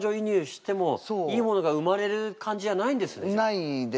ないですね。